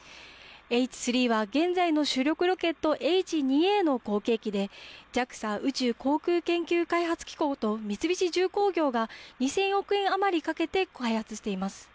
Ｈ３は現在の主力ロケット、Ｈ２Ａの後継機でＪＡＸＡ・宇宙航空研究開発機構と三菱重工業が２０００億円余りかけて開発しています。